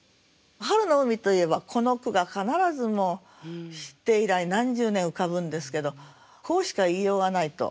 春の海といえばこの句が必ずもう知って以来何十年浮かぶんですけどこうしか言いようがないと。